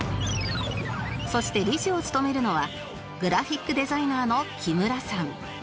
そして理事を務めるのはグラフィックデザイナーの木村さん